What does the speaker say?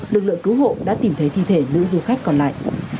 lực lượng cứu hộ đã tìm thấy thi thể nữ du khách còn lại